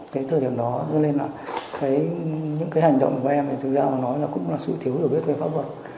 tới thời điểm đó cho nên là những cái hành động của em thì thực ra là nó cũng là sự thiếu hiểu biết về pháp luật